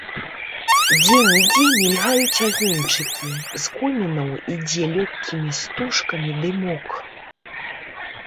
Дзе-нідзе мільгаюць агеньчыкі, з комінаў ідзе лёгкімі стужкамі дымок.